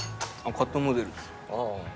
カットモデルですあぁ